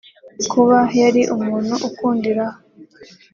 Kuba yari umuntu ukunda iraha